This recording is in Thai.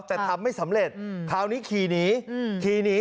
แต่ทำไม่สำเร็จคราวนี้ขี่หนีขี่หนี